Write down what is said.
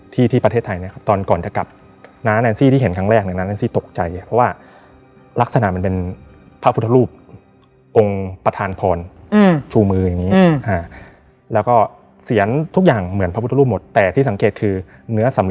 ที่ประเทศไทยนะครับ